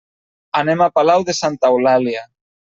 Anem a Palau de Santa Eulàlia.